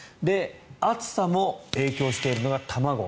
暑さも影響しているのが卵。